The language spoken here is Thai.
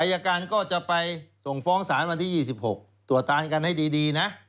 อายการก็จะไปส่งฟ้องสารวันที่๒๖ตรวจตานกันให้ดีนะ